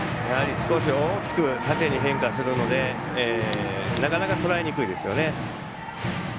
少し大きく縦に変化するのでなかなか、とらえにくいですね。